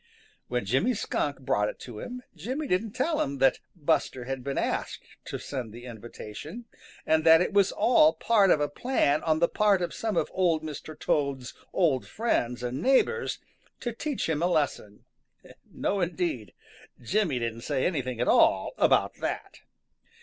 When Jimmy Skunk brought it to him, Jimmy didn't tell him that Buster had been asked to send the invitation, and that it was all part of a plan on the part of some of Old Mr. Toad's old friends and neighbors to teach him a lesson. No, indeed, Jimmy didn't say anything at all about that!